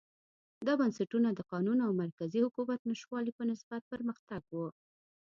دا بنسټونه د قانون او مرکزي حکومت نشتوالي په نسبت پرمختګ و.